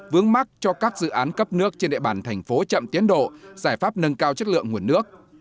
vướng mắt cho các dự án cấp nước trên địa bàn thành phố chậm tiến độ giải pháp nâng cao chất lượng nguồn nước